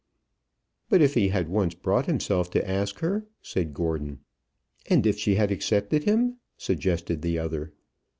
"But if he had once brought himself to ask her?" said Gordon. "And if she had accepted him?" suggested the other.